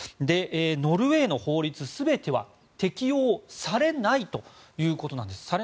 ノルウェーの法律全ては適用されないということです。